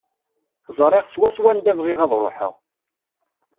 Ẓriɣ swaswa anda bɣiɣ ad ruḥeɣ.